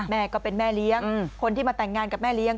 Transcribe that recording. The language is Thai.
แม่ก็เป็นแม่เลี้ยงคนที่มาแต่งงานกับแม่เลี้ย